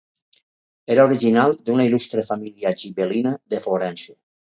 Era original d'una il·lustre família gibel·lina de Florència.